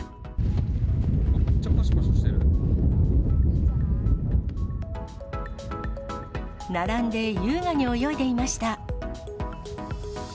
めっちゃ、ぱしゃぱしゃして並んで優雅に泳いでいました。